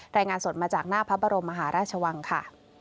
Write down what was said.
รายงานสดมาจากหน้าพระบรมมหาราชวังค่ะ